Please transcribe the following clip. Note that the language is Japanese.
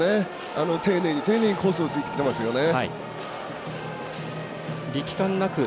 丁寧に丁寧にコースを突いてきていますよね。